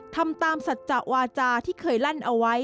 ทำตามสัจจะวาจาที่เคยลั่นเอาไว้